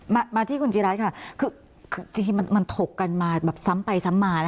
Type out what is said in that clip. มาที่คุณจีรัฐค่ะคือจริงมันถกกันมาแบบซ้ำไปซ้ำมา